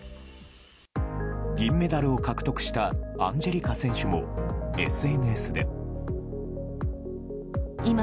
銀メダルを獲得したアンジェリカ選手もＳＮＳで。